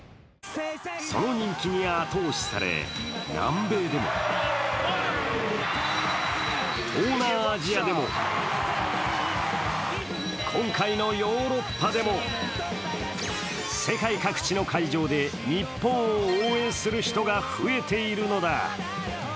その人気に後押しされ、南米でも東南アジアでも、今回のヨーロッパでも世界各地の会場で日本を応援する人が増えているのだ。